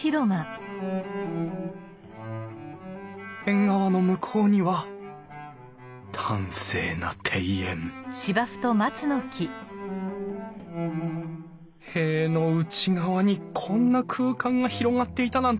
縁側の向こうには端正な庭園塀の内側にこんな空間が広がっていたなんて